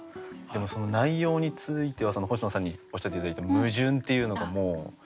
でもその内容については星野さんにおっしゃって頂いた矛盾っていうのがもう。